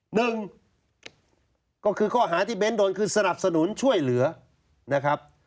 หนึ่งก็คือข้อหาที่เบ้นโดนคือสนับสนุนช่วยเหลือนะครับ